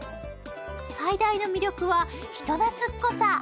最大の魅力は人なつっこさ。